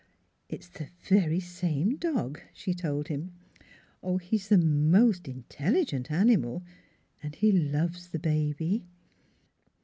" It's the very same dog," she told him. " He's the most intelligent animal, and he loves the baby."